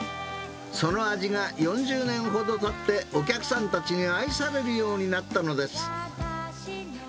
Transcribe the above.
その味が４０年ほどたって、お客さんたちに愛されるようになったのです。